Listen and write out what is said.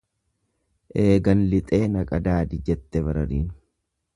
Eegan lixee na qadaadi, jette barariin.